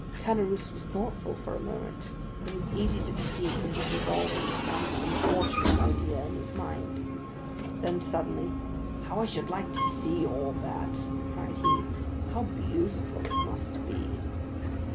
Caderousse was thoughtful for a moment. It was easy to perceive he was revolving some unfortunate idea in his mind. Then suddenly,— "How I should like to see all that," cried he; "how beautiful it must be!"